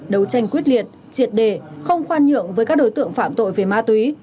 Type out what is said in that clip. đấu tranh quyết liệt triệt đề không khoan nhượng với các đối tượng phạm tội về ma túy